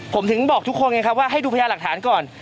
ผมถึงบอกทุกคนไงครับว่าให้ดูพยาหลักฐานก่อน